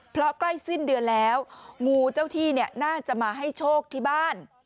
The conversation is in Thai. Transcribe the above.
เพราะใกล้สิ้นเดือนแล้วงูเจ้าที่น่าจะมาให้โชคที่บ้าน